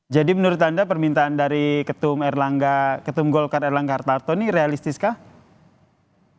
jadi menurut anda permintaan dari ketum golkar erlangga hartarto ini realistis kah